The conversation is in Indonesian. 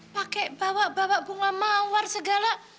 pakai bawa bawa bunga mawar segala